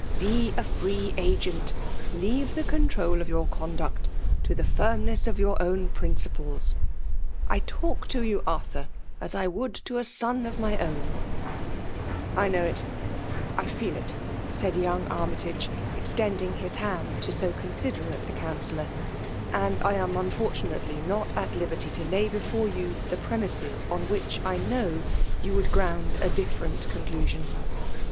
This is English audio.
Be a free agent ; leave the control of your conduct to the firmness of your own prin ciples. I talk to you^ Arthur, as I would to a son of my own*" '' I know it»— I feel it, —'' said youiy Army 112 PEMAl^B DOVINATIOK. tig^, extending hut lumd to' so eom^jbdorato » cQuiiftellor; ''and I am unfortiumlely not at liberty to lay bdTore you the premiaea oa wliich I know you would ground a diSrami conclusion.